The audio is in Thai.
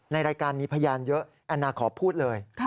ในรายการมีพยานเยอะแอนนาขอพูดเลย